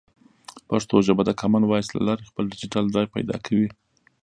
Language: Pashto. پښتو ژبه د کامن وایس له لارې خپل ډیجیټل ځای پیدا کوي.